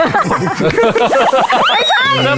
ไม่ใช่